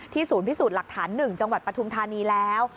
ศูนย์พิสูจน์หลักฐาน๑จังหวัดปฐุมธานีแล้ว